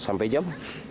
sampai jam tiga